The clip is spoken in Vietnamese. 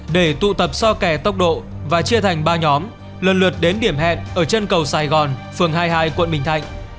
để tụ tập so kẻ tốc độ và chia thành ba nhóm lần lượt đến điểm hẹn ở chân cầu sài gòn phường hai mươi hai quận bình thạnh